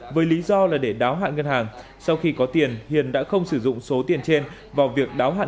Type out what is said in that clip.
với lý do là để đáo hạn ngân hàng sau khi có tiền hiền đã không sử dụng số tiền trên vào việc đáo hạn